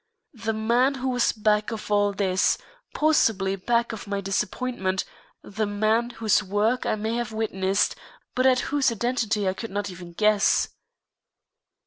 The man who was back of all this, possibly back of my disappointment; the man whose work I may have witnessed, but at whose identity I could not even guess.